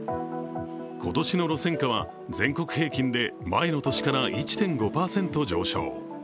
今年の路線価は全国平均で前の年から１．５％上昇。